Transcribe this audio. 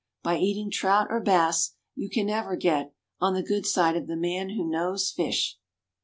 By eating trout or bass you can never get "on the good side of the man who knows fish."